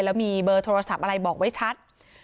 แล้วมีเบอร์โทรศัพท์อะไรบอกไว้ชัด